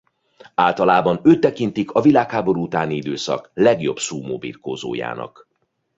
Általában őt tekintik a világháború utáni időszak legjobb szumó birkózójának.